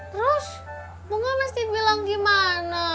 terus bunga mesti bilang gimana